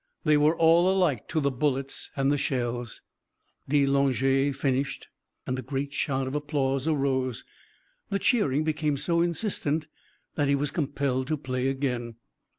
They were all alike to the bullets and the shells. De Langeais finished, and a great shout of applause arose. The cheering became so insistent that he was compelled to play again.